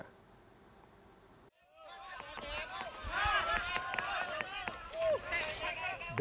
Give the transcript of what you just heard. penerbangan di indonesia